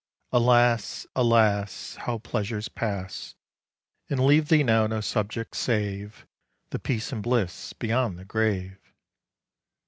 Alas! alas! How pleasures pass, And leave thee now no subject, save The peace and bliss beyond the grave!